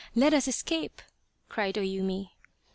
Let us escape !" cried OYumi.